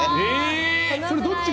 それ、どっちが？